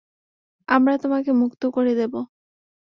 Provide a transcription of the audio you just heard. আমরা তোমাকে মুক্ত করে দেবো!